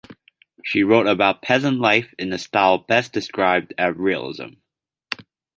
She wrote about peasant life in the style best described as realism.